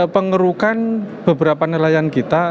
pengerukan beberapa nelayan kita